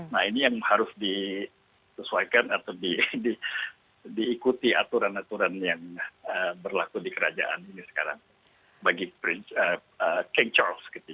nah ini yang harus disesuaikan atau diikuti aturan aturan yang berlaku di kerajaan ini sekarang bagi king charles